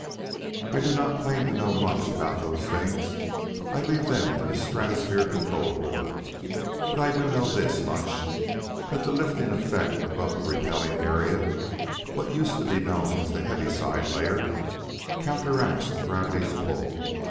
I do not claim to know much about those things I leave them to the Stratosphere Control Board but I do know this much: that the lifting effect above the repelling area what used to be known as the heaviside layer counteracts gravity's pull.